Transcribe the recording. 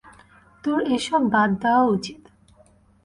তোর এসব বাদ দেয়া উচিৎ।